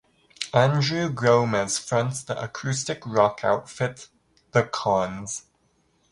Andrew Gomez fronts the acoustic rock outfit, The Cons.